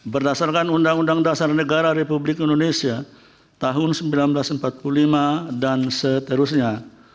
berdasarkan undang undang dasar negara republik indonesia tahun seribu sembilan ratus empat puluh lima dan seterusnya